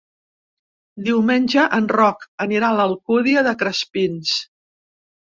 Diumenge en Roc anirà a l'Alcúdia de Crespins.